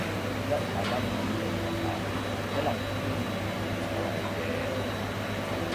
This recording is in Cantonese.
一萬蚊肯定防彈，一粒魚丸無所謂嘅